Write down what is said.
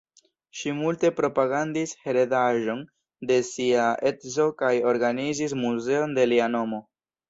Ŝi multe propagandis heredaĵon de sia edzo kaj organizis muzeon de lia nomo.